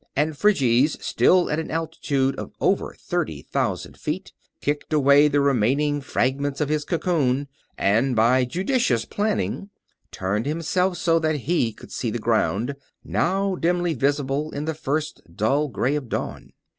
And Phryges, still at an altitude of over thirty thousand feet, kicked away the remaining fragments of his cocoon and, by judicious planning, turned himself so that he could see the ground, now dimly visible in the first dull gray of dawn.